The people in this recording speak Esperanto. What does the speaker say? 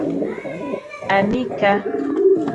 Amika.